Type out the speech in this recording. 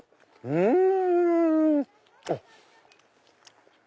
うん！